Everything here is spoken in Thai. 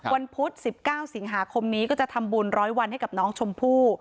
พุธ๑๙สิงหาคมนี้ก็จะทำบุญร้อยวันให้กับน้องชมพู่